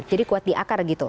jadi kuat di akar gitu